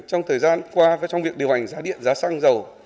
trong thời gian qua và trong việc điều hành giá điện giá xăng dầu